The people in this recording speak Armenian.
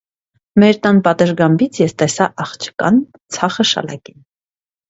Մեր տան պատշգամբից ես տեսա աղջկան՝ ցախը շալակին: